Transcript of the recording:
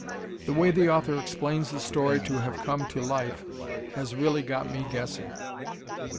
The way the author explains the story to have come to life has really got me guessing.